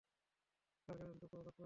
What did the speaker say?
কার কার জন্য দুঃখপ্রকাশ করবি তুই?